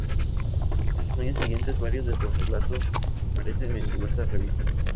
En los años siguientes varios de sus relatos aparecen en diversas revistas.